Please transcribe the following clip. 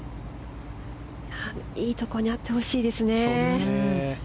いいところにあってほしいですね。